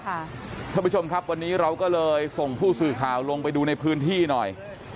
ท่านผู้ชมครับวันนี้เราก็เลยส่งผู้สื่อข่าวลงไปดูในพื้นที่หน่อย